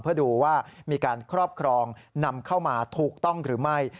เพื่อดูว่ามีการครอบครองนำเข้ามาถูกต้องหรือไม่